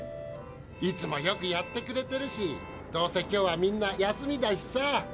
いつもよくやってくれてるしどうせ今日はみんな休みだしさぁ。